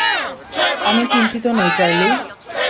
আমি চিন্তিত নই, চার্লি।